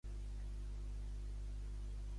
El seu president actual és Rafael Fontana.